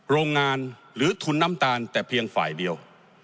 โรงงานหรือทุนน้ำตาลแต่เพียงฝ่ายเดียว